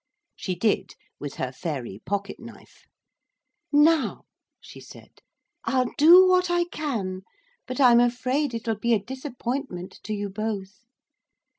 She did, with her fairy pocket knife. 'Now,' she said, 'I'll do what I can, but I'm afraid it'll be a disappointment to you both.